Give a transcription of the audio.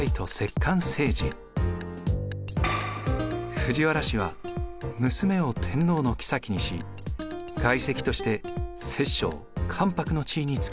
藤原氏は娘を天皇の后にし外戚として摂政・関白の地位につきました。